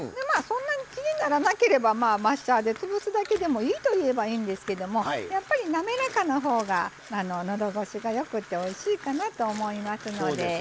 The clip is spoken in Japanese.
そんなに気にならなければマッシャーで潰すだけでもいいといえばいいんですけどもやっぱり滑らかな方が喉越しがよくておいしいかなと思いますので。